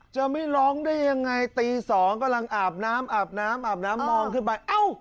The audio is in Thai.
จะไม่ร้องด้วยยังไงตีสองกำลังอาบน้ำว้างขึ้นไป